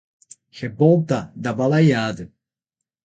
Revolta da Balaiada